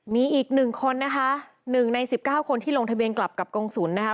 มีอีกหนึ่งคนนะฮะหนึ่งใน๑๙คนที่ลงทะเบียนกลับกลับกรงศูนย์นะฮะ